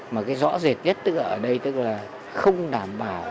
mà cái rõ rệt nhất ở đây tức là không đảm bảo